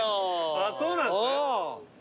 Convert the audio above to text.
あぁそうなんですね。